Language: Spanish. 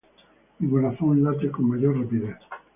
Mi corazón late con mayor rapidez.